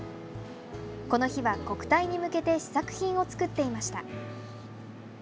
この日は国体に向けて試作品を作っていました。